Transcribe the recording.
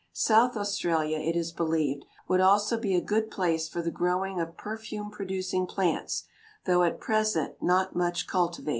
South Australia, it is believed, would also be a good place for the growing of perfume producing plants, though at present not much cultivated.